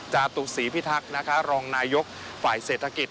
จะตุกสีพิทักษ์นะคะรองนายกฝ่ายเศรษฐกิจ